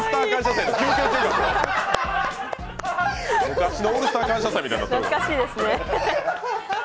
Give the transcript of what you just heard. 昔の「オールスター感謝祭」みたいになってる。